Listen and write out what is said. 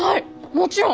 もちろん！